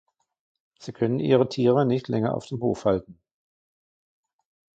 Sie können ihre Tiere nicht länger auf dem Hof halten.